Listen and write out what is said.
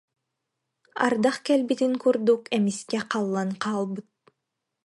Ардах кэлбитин курдук эмискэ халлан хаалбыт